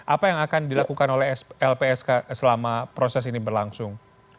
apa yang akan dilakukan oleh lpsk selama proses ini berlangsung